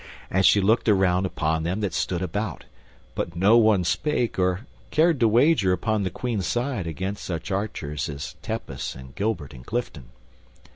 And she looked around upon them that stood about; but no one spake or cared to wager upon the Queen's side against such archers as Tepus and Gilbert and Clifton.